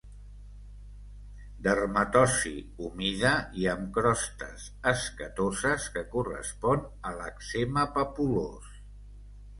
Dermatosi humida i amb crostes escatoses que correspon a l'èczema papulós.